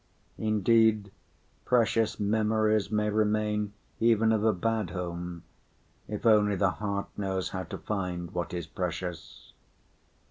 Indeed, precious memories may remain even of a bad home, if only the heart knows how to find what is precious.